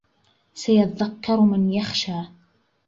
سَيَذَّكَّرُ مَن يَخْشَىٰ